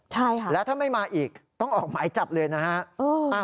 ใช่ค่ะแล้วถ้าไม่มาอีกต้องออกหมายจับเลยนะฮะ